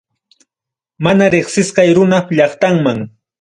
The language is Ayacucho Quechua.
Maná reqsisqay runap llaqtanman.